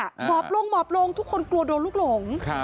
หมอบลงหมอบลงทุกคนกลัวโดนลูกหลง